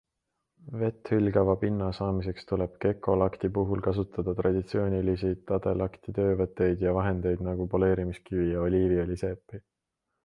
Vetthülgava pinna saamiseks tuleb gekolakti puhul kasutada traditsioonilisi tadelakti töövõtteid ja -vahendeid nagu poleerimiskivi ja oliivõliseepi.